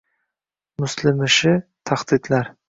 Muslimishi — tahdidlar.